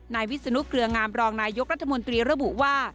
วิศนุเกลืองามรองนายกรัฐมนตรีระบุว่า